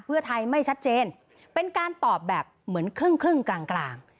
เพื่อไทยไม่ชัดเจนเป็นการตอบแบบเหมือนครึ่งกลางกลาง